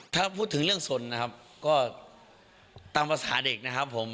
ถ้าพูดถึงเรื่องสนนะครับก็ตามภาษาเด็กนะครับผม